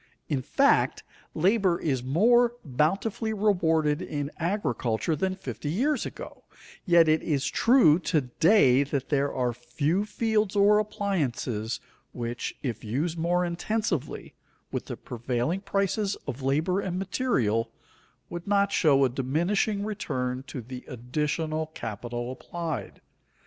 In fact, labor is more bountifully rewarded in agriculture than fifty years ago, yet it is true to day that there are few fields or appliances which, if used more intensively with the prevailing prices of labor and material, would not show a diminishing return to the additional capital applied.